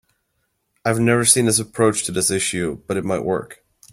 I have never seen this approach to this issue, but it might work.